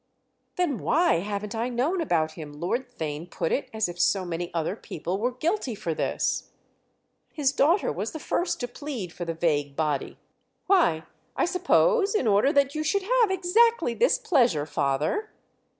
"Then why haven't I known about him?" Lord Theign put it as if so many other people were guilty for this. His daughter was the first to plead for the vague body. "Why, I suppose in order that you should have exactly this pleasure, father."